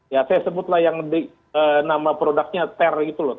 ya saya sebutlah yang nama produknya ter gitu loh